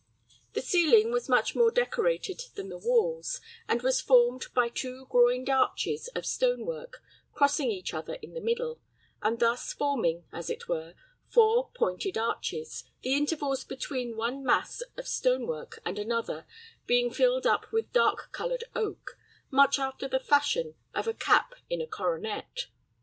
The ceiling was much more decorated than the walls, and was formed by two groined arches of stone work, crossing each other in the middle, and thus forming, as it were, four pointed arches, the intervals between one mass of stone work and another being filled up with dark colored oak, much after the fashion of a cap in a coronet.